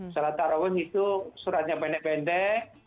sholat taraweeh itu suratnya pendek pendek